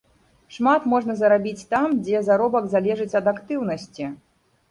Шмат можна зарабіць там, дзе заробак залежыць ад актыўнасці.